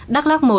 đắk lóc một